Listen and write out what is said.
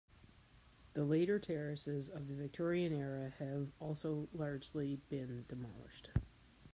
The later terraces, of the Victorian era, have also largely been demolished.